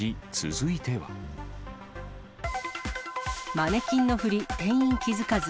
マネキンのふり、店員気付かず。